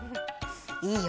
いいよ。